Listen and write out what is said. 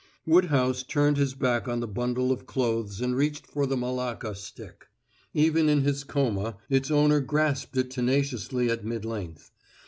Woodhouse turned his back on the bundle of clothes and reached for the malacca stick. Even in his coma its owner grasped it tenaciously at midlength.